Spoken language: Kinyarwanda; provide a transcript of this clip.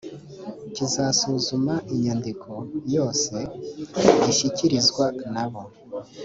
kigasuzuma inyandiko yose gishyikirizwa n abo